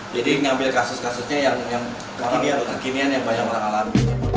ngambil kasus kasusnya yang kekinian yang banyak orang alami